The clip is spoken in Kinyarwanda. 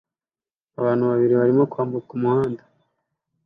Abantu babiri barimo kwambuka umuhanda